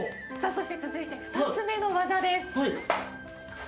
そして続いて２つ目の技です。